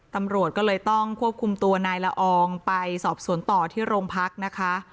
ตำรวจก็เลยต้องควบคุมตัวนายละอองไปสอบสวนต่อที่โรงพักนะคะ